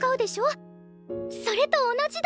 それと同じだって！